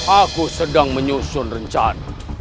aku sedang menyusun rencana